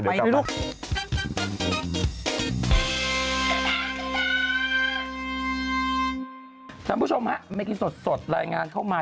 ทุกคนผู้ชมครับไม่กินสดรายงานเข้ามา